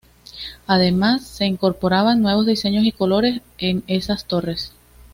Además, se incorporaban nuevos diseños y colores en esas torres.